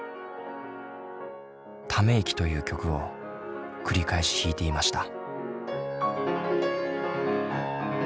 「ため息」という曲を繰り返し弾いていました。